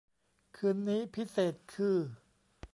คืนนี้พิเศษคือ